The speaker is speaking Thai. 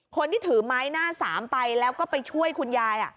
คนที่ถือไม้หน้าสามไปแล้วก็ไปช่วยคุณยาย